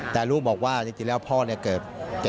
แต่รูปบอกว่าจริงแล้วพ่อเกิด๗๗